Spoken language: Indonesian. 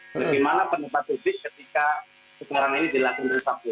bagaimana pendapat publik ketika sekarang ini dilakukan resafel